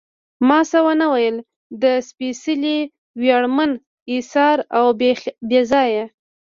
ما څه ونه ویل، د سپېڅلي، ویاړمن، اېثار او بې ځایه.